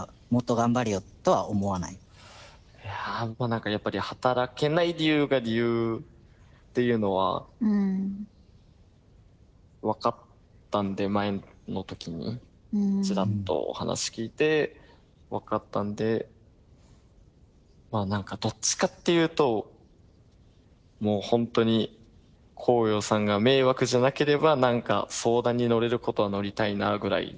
何かやっぱり働けない理由が理由っていうのは分かったんで前のときにちらっとお話聞いて分かったんでまあ何かどっちかっていうともう本当にこうようさんが迷惑じゃなければ何か相談に乗れることは乗りたいなぐらい。